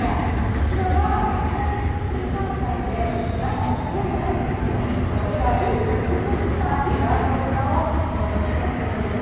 こちらは農林水産祭で内閣総理大臣賞を受賞した特別なブランド豚を農場で育てているんです。